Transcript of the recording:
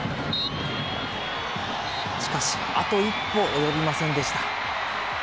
しかし、あと一歩及びませんでした。